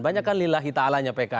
banyak kan lillahi ta'alanya pks